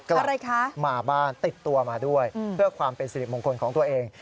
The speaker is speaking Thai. อะไรคะมาบ้านติดตัวมาด้วยเพื่อความเป็นสิริมงคลของตัวเอง